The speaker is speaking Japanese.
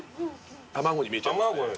卵に見えちゃいますね。